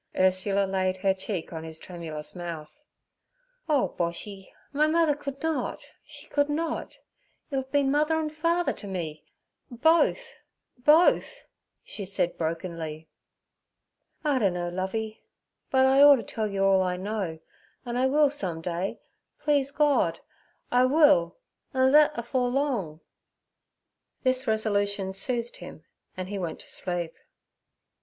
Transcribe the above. Ursula laid her cheek on his tremulous mouth. 'Oh, Boshy! My mother could not—she could not. You have been mother and father to me—both, both' she said brokenly. 'I dunno, Lovey, but I oughter tell yer all I know, an' I will some day, please God, I will, an' thet afore long.' This resolution soothed him, and he went to sleep.